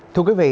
thưa quý vị